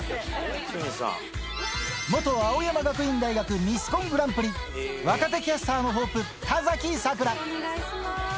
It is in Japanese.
元青山学院大学ミスコングランプリ、若手キャスターのホープ、田崎さくら。